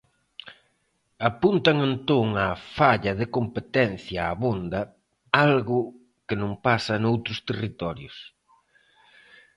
Apuntan entón á falla de competencia abonda, algo que non pasa noutros territorios.